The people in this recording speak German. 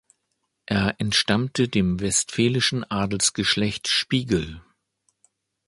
Er entstammte dem westfälischen Adelsgeschlecht Spiegel.